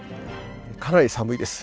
かなり寒いです